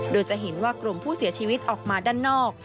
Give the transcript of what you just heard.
โดยจะเห็นว่ากลุ่มผู้เสียชีวิตออกมาด้านนอก